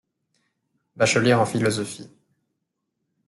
Bachelier en philosophie.